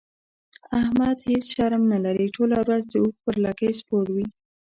احمد هيڅ شرم نه لري؛ ټوله ورځ د اوښ پر لکۍ سپور وي.